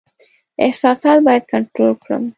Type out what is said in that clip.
احساسات باید کنټرول کړم.